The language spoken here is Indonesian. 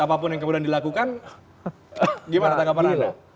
apapun yang kemudian dilakukan gimana tanggapan anda